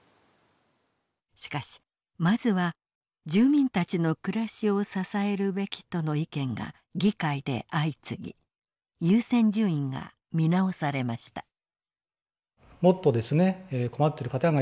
しかしまずは住民たちの暮らしを支えるべきとの意見が議会で相次ぎ優先順位が見直されました。